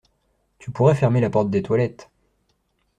Tu pourrais fermer la porte des toilettes...